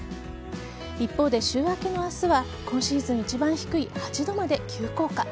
一方で、週明けの明日は今シーズン一番低い８度まで急降下。